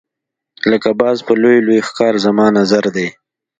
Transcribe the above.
لکه باز په لوی لوی ښکار زما نظر دی.